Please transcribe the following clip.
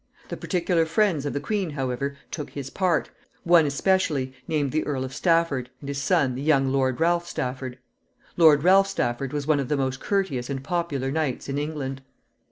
The particular friends of the queen, however, took his part, one especially, named the Earl of Stafford, and his son, the young Lord Ralph Stafford. Lord Ralph Stafford was one of the most courteous and popular knights in England.